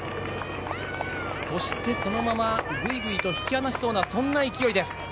そして、そのままぐいぐい引き離しそうなそんな勢いです。